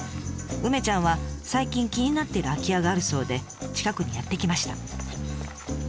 梅ちゃんは最近気になっている空き家があるそうで近くにやって来ました。